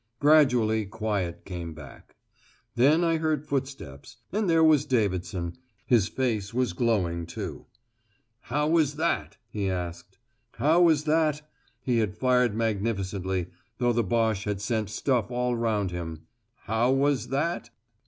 Gradually quiet came back. Then I heard footsteps, and there was Davidson. His face was glowing too. "How was that?" he asked. How was that? He had fired magnificently, though the Boche had sent stuff all round him. How was that?